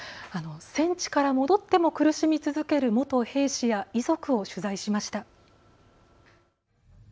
戦地から戻っても苦しみ続ける元兵士や遺族を取材しました。